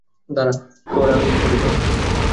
দাড়া তোর আমি কী করি দ্যাখ।